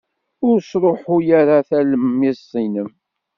Ur sṛuḥuy ara talemmiẓt-nnem.